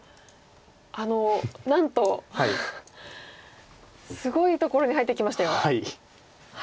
なんとすごいところに入ってきましたよ。